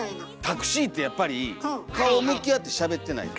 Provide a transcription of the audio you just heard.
タクシーってやっぱり顔向き合ってしゃべってない。